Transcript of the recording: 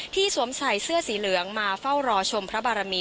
สวมใส่เสื้อสีเหลืองมาเฝ้ารอชมพระบารมี